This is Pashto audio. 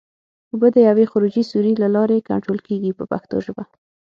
اوبه د یوې خروجي سوري له لارې کنټرول کېږي په پښتو ژبه.